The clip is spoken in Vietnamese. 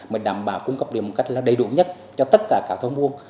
mình đảm bảo cung cấp điện một cách đầy đủ nhất cho tất cả các thông buôn